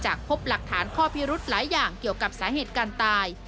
พบหลักฐานข้อพิรุธหลายอย่างเกี่ยวกับสาเหตุการณ์ตาย